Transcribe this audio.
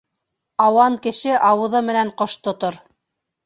Ауан кеше ауыҙы менән ҡош тотор.